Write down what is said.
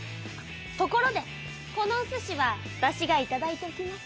ところでこのおすしはわたしがいただいておきます。